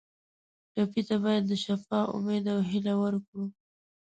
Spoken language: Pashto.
ټپي ته باید د شفا امید او هیله ورکړو.